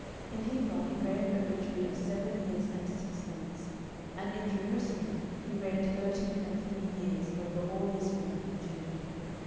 10:005:005 In Hebron he reigned over Judah seven years and six months: and in Jerusalem he reigned thirty and three years over all Israel and Judah.